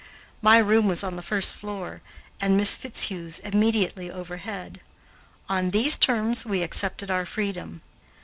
My room was on the first floor, and Miss Fitzhugh's immediately overhead. On these terms we accepted our freedom.